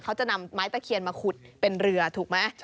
เขาจะนำไม้ตะเคียนมาขุดเป็นเรือถูกไหม